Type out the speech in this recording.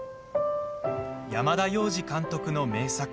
山田洋次監督の名作